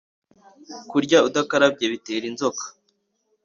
kurya udakarabye bitera inzoka